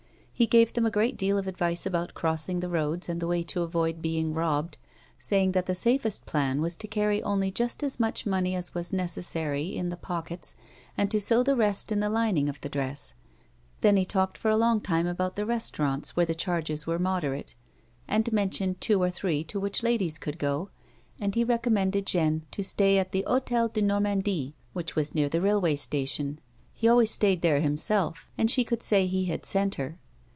He gave them a gi eat deal of advice about crossing the roads and the way to avoid being robbed, saying that the safest plan was to carry only just as much money as was necessary in the pockets and to sew the rest in the lining of the dress ; then he talked for a long while about the restaurants where the charges were moderate, and men tioned two or three to which ladies could go, and he recom mended Jeanne to stay at the Hotel de Normandie, which was near the railway station. He always stayed there him self, and she could say he had sent her.